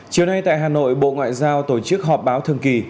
chiều nay tại hà nội bộ ngoại giao tổ chức họp báo thường kỳ